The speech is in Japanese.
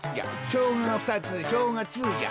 ショウガがふたつでしょうがつじゃ。